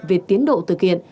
về tiến độ thực hiện